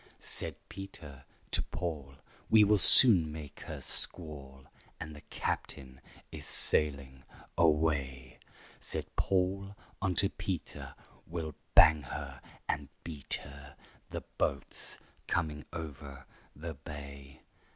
Said Peter to Paul, "We will soon make her squall, And the captain is sailing away." Said Paul unto Peter, "We'll bang her and beat her! The boat's coming over the bay."